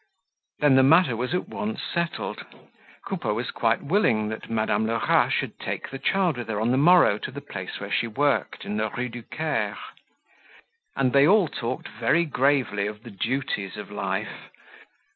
Then the matter was at once settled. Coupeau was quite willing that Madame Lerat should take the child with her on the morrow to the place where she worked in the Rue du Caire. And they all talked very gravely of the duties of life.